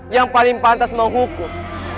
yang paling pantas menghukum